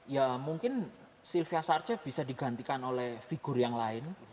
ya mungkin sylvia sarce bisa digantikan oleh figur yang lain